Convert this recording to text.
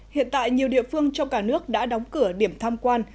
hiện tại nhiều địa phương trong cả nước đã đóng cửa điểm tham quan